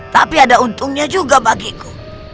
tapi ada untungnya juga bagiku